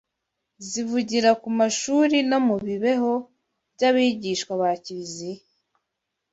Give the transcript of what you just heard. Zivugira ku mashuri no mu bibeho by’abigishwa ba Kiriziya